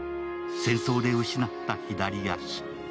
戦争で失った左足。